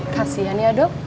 kasian ya dok